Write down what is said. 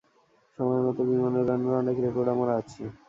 সময়মত বিমান উড়ানোর অনেক রেকর্ড আমার আছে।